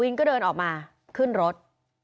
ก็เดินออกมาขึ้นรถ